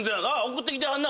送ってきてはんな